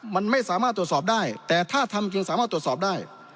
มันไม่สามารถตรวจสอบได้แต่ถ้าทำจริงสามารถตรวจสอบได้